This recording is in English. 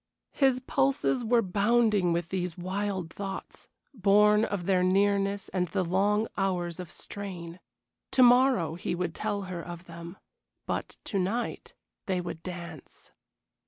His pulses were bounding with these wild thoughts, born of their nearness and the long hours of strain. To morrow he would tell her of them, but to night they would dance.